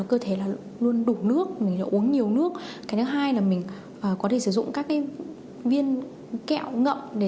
cơ thể luôn đủ nước mình uống nhiều nước cái thứ hai là mình có thể sử dụng các viên kẹo ngậm để